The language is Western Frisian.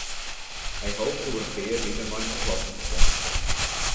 Hy hopet oer in pear wiken mei in oplossing te kommen.